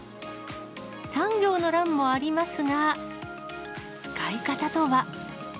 ３行の欄もありますが、使い方とは？